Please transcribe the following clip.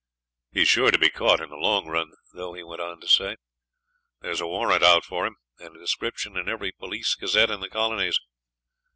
'He's sure to be caught in the long run, though,' he went on to say. 'There's a warrant out for him, and a description in every "Police Gazette" in the colonies.